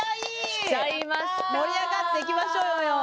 盛り上がっていきましょうよ。